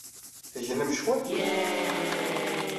Tegnem cwiṭ?